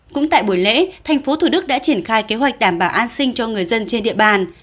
cũng tại buổi lễ thành phố thủ đức đã triển khai kế hoạch đảm bảo an sinh cho người dân trên địa bàn